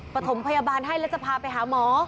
ประถมพยาบาลให้แล้วจะพาไปหาหมอ